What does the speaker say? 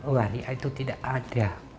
waria itu tidak ada